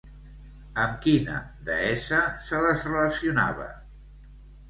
Amb quina deessa se les relacionava?